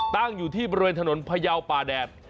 ตั้งอยู่ที่บริเวณถนนพยาบาล์ดีต